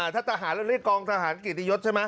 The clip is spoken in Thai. ถ้าทหารเรียกกองทหารกิตรยศใช่ไหม